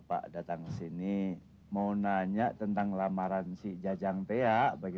padahal sapi kita masih tetap ada di kandangnya pak